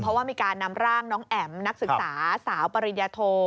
เพราะว่ามีการนำร่างน้องแอ๋มนักศึกษาสาวปริญญาโท